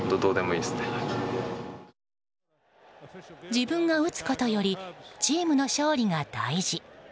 自分が打つことよりチームの勝利が大事。